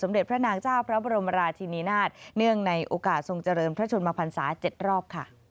สมเด็จพระนางเจ้าพระบรมราชินินาทเนื่องในโอกาสทรงเจริญพระชนมภัณฑ์ศาสตร์เจ็ดรอบ